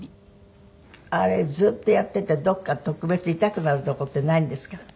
あれずっとやっててどこか特別痛くなるとこってないんですか？